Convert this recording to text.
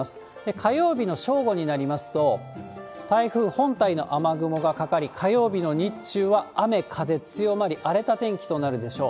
火曜日の正午になりますと、台風本体の雨雲がかかり、火曜日の日中は雨、風強まり、荒れた天気となるでしょう。